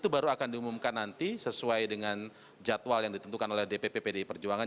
semumkan nanti sesuai dengan jadwal yang ditentukan oleh dpp pdi perjuangan